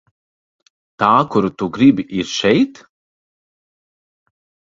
Tā kuru tu gribi, ir šeit?